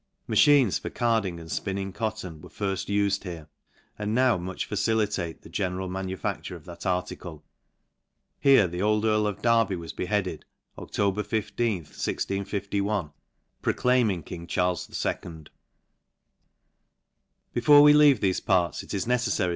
Machines for carding and fpinning cotton were firft ufed here, and now much facilitate the general manufacture of that article. Here the old earl of: Derby ..was beheaded. Oft. 15, 165 1, for proclaiming king Charles II.. Before we leave thefe parts, it is neceffary.